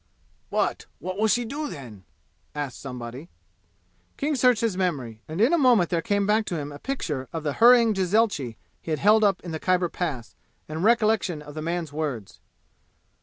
"But what will she do then?" asked somebody. King searched his memory, and in a moment there came back to him a picture of the hurrying jezailchi he had held up in the Khyber Pass, and recollection of the man's words.